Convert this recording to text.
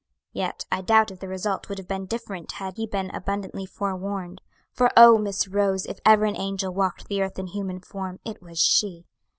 Yet I doubt if the result would have been different had he been abundantly forewarned; for oh, Miss Rose, if ever an angel walked the earth in human form it was she!